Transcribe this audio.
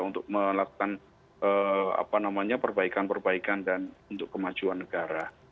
untuk melakukan perbaikan perbaikan dan untuk kemajuan negara